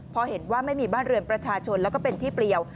พอเห็นว่าไม่มีบ้านเรือนประชาชนแล้วก็เป็นที่เปลี่ยว